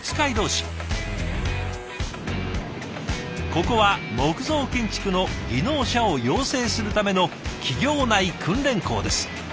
ここは木造建築の技能者を養成するための企業内訓練校です。